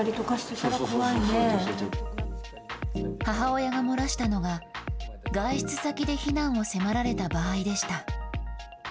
母親が漏らしたのが、外出先で避難を迫られた場合でした。